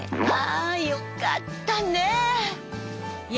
ああよかったね！